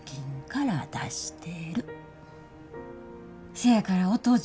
せやからお父ちゃん